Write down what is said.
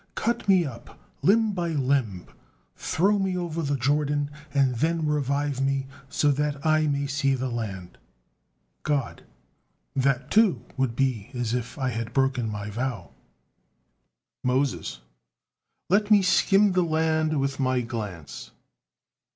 Cut me up, limb by limb, throw me over the Jordan, and then revive me, so that I may see the land." God: "That, too, would be as if I had broken My vow." Moses: "Let me skim the land with my glance."